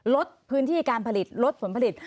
ลดพื้นที่การผลิตลดผลผลิต